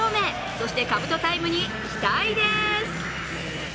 そして、カブトタイムに期待です。